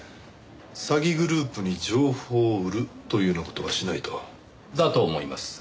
詐欺グループに情報を売るというような事はしないと？だと思います。